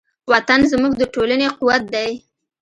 وطن زموږ د ټولنې قوت دی.